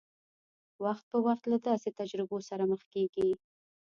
وخت په وخت له داسې تجربو سره مخ کېږي.